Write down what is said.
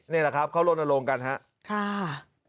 นี่แหละครับเขาร่วมอารมณ์กันครับค่ะค่ะ